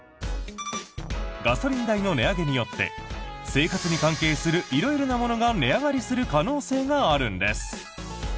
ガソリン代の値上げによって生活に関係する色々なものが値上がりする可能性があるんです。